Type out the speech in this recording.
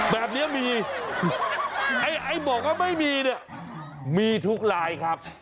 แบบนี้มีไอ้บอกว่าไม่มีเนี่ยมีทุกลายครับ